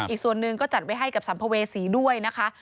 อีกส่วนหนึ่งก็จัดไว้ให้กับสัมภเวษีด้วยนะคะ